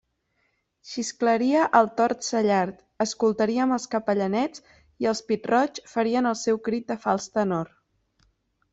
Xisclaria el tord cellard, escoltaríem els capellanets i els pit-roigs farien el seu crit de fals tenor.